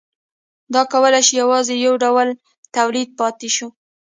د کولالۍ یوازې یو ډول تولید پاتې شو.